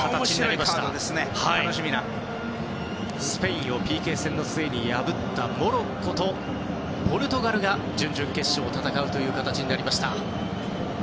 スペインをＰＫ戦の末に破ったモロッコとポルトガルが準々決勝を戦う形になりました。